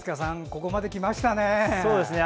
ここまできましたね！